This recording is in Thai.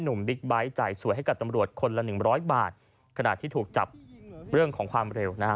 บิ๊กไบท์จ่ายสวยให้กับตำรวจคนละหนึ่งร้อยบาทขณะที่ถูกจับเรื่องของความเร็วนะฮะ